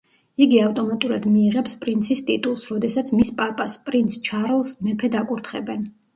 იგი ავტომატურად მიიღებს პრინცის ტიტულს, როდესაც მის პაპას, პრინც ჩარლზს მეფედ აკურთხებენ.